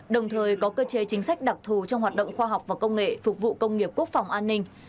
đồng thời có cơ chế chính sách đặc thù trong hoạt động khoa học và công nghệ phục vụ công nghiệp quốc phòng an ninh